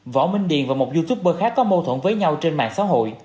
võ minh điền và một youtuber khác có mâu thuẫn với nhau trên mạng xã hội